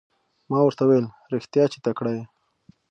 ما ورته وویل رښتیا چې تکړه یې.